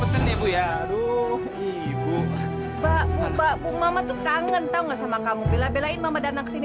oleh itu kami memberapa untuk daripada tuhan